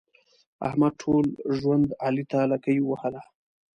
احمد ټول ژوند علي ته لکۍ ووهله.